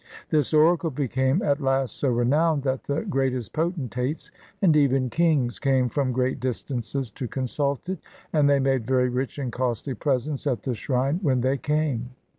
This oracle became at last so renowned, that the greatest potentates, and even kings, came from great distances to consult it, and they made very rich and costly presents at the shrine when they came.